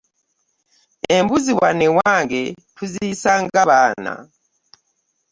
Embuzi wano ewange tuziyisa nga baana.